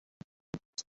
আমি ইয়ার্কি করছিলাম।